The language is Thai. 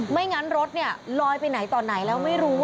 ไม่อย่างนั้นรถลอยไปไหนต่อไหนแล้วไม่รู้